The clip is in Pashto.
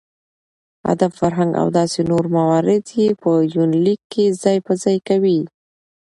اداب ،فرهنګ او داسې نور موارد يې په يونليک کې ځاى په ځاى کوي .